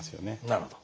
なるほど。